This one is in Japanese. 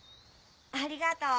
ありがとう。